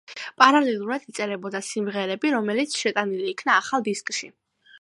პარალელურად იწერებოდა სიმღერები, რომელიც შეტანილი იქნა ახალ დისკში.